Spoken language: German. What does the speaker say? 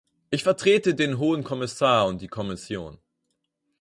Ich vertrete den Hohen Kommissar und die Kommission.